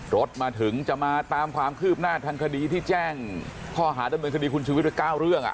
รถมาถึงจะมาตามความคืบหน้าทางคดีที่แจ้งข้อหาดำเนินคดีคุณชุวิตไว้๙เรื่อง